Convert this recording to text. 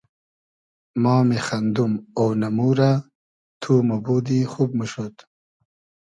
ما میخئندوم اۉنئمو رۂ تو موبودی خوب موشود